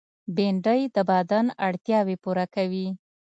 بېنډۍ د بدن اړتیاوې پوره کوي